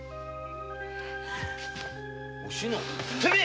おしの？